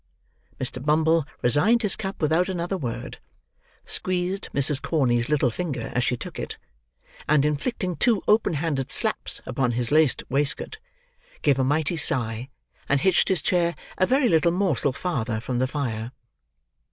Mr. Bumble resigned his cup without another word; squeezed Mrs. Corney's little finger as she took it; and inflicting two open handed slaps upon his laced waistcoat, gave a mighty sigh, and hitched his chair a very little morsel farther from the fire.